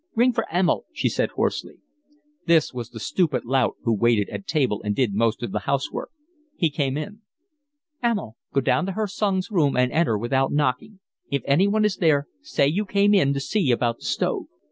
"Ring for Emil," she said hoarsely. This was the stupid lout who waited at table and did most of the housework. He came in. "Emil, go down to Herr Sung's room and enter without knocking. If anyone is there say you came in to see about the stove."